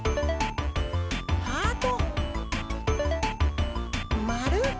ハート！